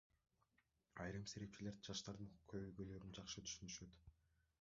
Айрым серепчилер жаштардын көйгөйлөрүн жакшы түшүнүшөт.